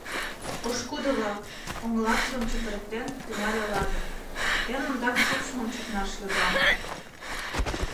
— Пошкудо-влак, — оҥылашыжым чытырыктен, тӱҥале Лазыр, — эн ондак шупшмым чарнаш йодам.